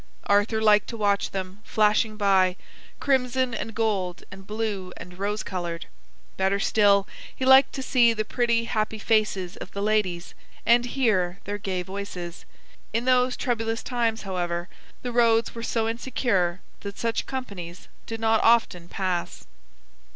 Arthur liked to watch them, flashing by; crimson, and gold, and blue, and rose colored. Better still, he liked to see the pretty happy faces of the ladies, and hear their gay voices. In those troublous times, however, the roads were so insecure that such companies did not often pass.